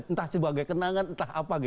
entah sebagai kenangan atau apa